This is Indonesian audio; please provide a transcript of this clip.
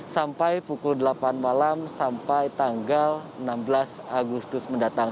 sampai pukul delapan malam sampai tanggal enam belas agustus mendatang